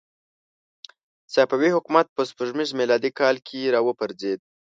صفوي حکومت په سپوږمیز میلادي کال کې را وپرځېد.